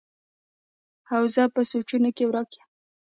او زۀ پۀ سوچونو کښې ورک يم